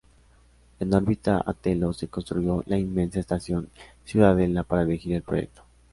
En órbita a Telos, se construyó la inmensa Estación Ciudadela para dirigir el proyecto.